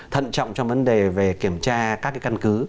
thận trọng trong vấn đề về kiểm tra các căn cứ